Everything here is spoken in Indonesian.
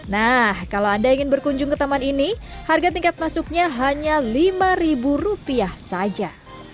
nah kalau anda ingin berkunjung ke taman ini harga tingkat masuknya hanya lima rupiah saja